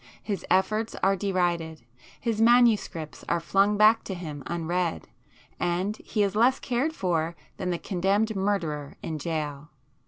His efforts are derided, his manuscripts are flung back to him unread, and he is less cared for than the condemned murderer in gaol.